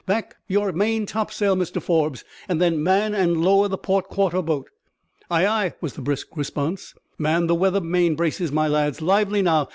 "Back your main topsail, Mr Forbes, and then man and lower the port quarter boat." "Ay, ay," was the brisk response. "Man the weather main braces, my lads; lively, now.